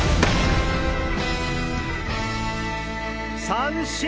三振！